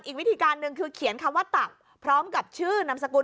อีกวิธีการหนึ่งคือเขียนคำว่าตับพร้อมกับชื่อนามสกุล